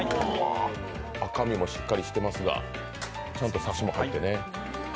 赤身もしっかりしていますが、ちゃんとサシも入ってね。